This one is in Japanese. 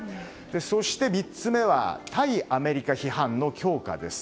そして、３つ目は対アメリカ批判の強化です。